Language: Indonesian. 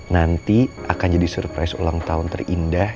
nanti akan jadi surprise ulang tahun terindah